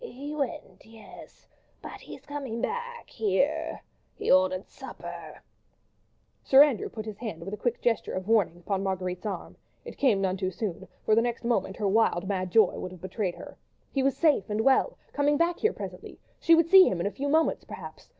"He went ... yes ... but he's coming back ... here—he ordered supper ..." Sir Andrew put his hand with a quick gesture of warning upon Marguerite's arm; it came none too soon, for the next moment her wild, mad joy would have betrayed her. He was safe and well, was coming back here presently, she would see him in a few moments perhaps.